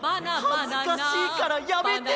はずかしいからやめて！